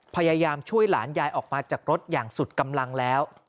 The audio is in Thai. พยายามช่วยหลานยายออกมาจากรถอย่างสุดกำลังแล้ว